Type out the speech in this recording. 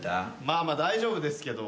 まあ大丈夫ですけど。